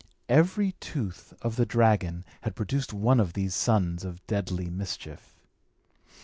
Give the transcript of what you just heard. Every tooth of the dragon had produced one of these sons of deadly mischief.